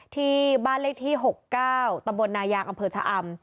ที่บ้านเลขที่๖๙ตำบลนายางอำเภอชะอำ